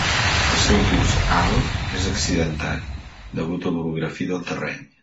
El seu curs alt és accidentat degut a l'orografia del terreny.